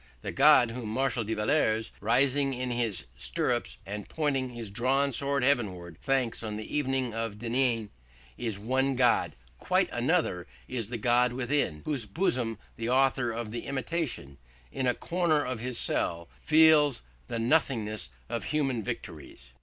The God whom Marshal de Villars, rising in his stirrups and pointing his drawn sword heavenwards, thanks on the evening of Denain, is one God: quite another is the God within whose bosom the author of the Imitation, in a corner of his cell, feels the nothingness of all human victories."